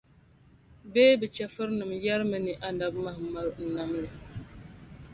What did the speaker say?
Bee bɛ chɛfurinim yεrimi ni Annabi Muhammadu n-nam li.